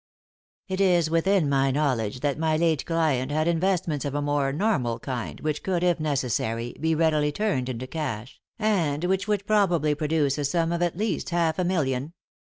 " It is within my knowledge that my late client had investments of a more normal kind, which could, if necessary, be readily turned into cash, and which would probably produce a sum of at least half a million.